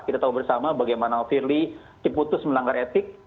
kita tahu bersama bagaimana firly diputus melanggar etik